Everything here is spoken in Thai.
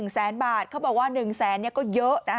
๑แสนบาทเขาบอกว่า๑แสนก็เยอะนะ